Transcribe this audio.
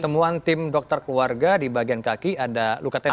temuan tim dokter keluarga di bagian kaki ada luka tembak